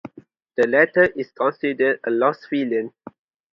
The latter is considered a lost film.